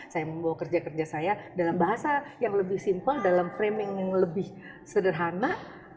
saya membawa kerja kerja saya dalam bahasa yang lebih simpel dalam framing yang lebih sederhana